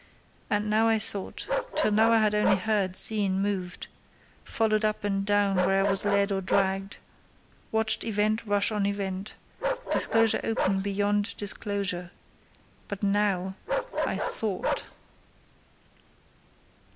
And now I thought: till now I had only heard, seen, moved—followed up and down where I was led or dragged—watched event rush on event, disclosure open beyond disclosure: but now, I thought.